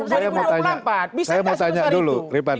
saya mau tanya dulu